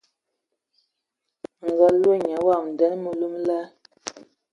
Mə nga loe nya wam nden məlu mə lal.